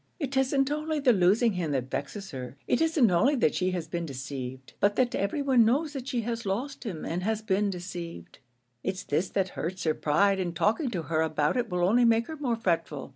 It isn't only the losing him that vexes her; it isn't only that she has been deceived: but that everyone knows that she has lost him, and has been deceived. It's this that hurts her pride, and talking to her about it will only make her more fretful.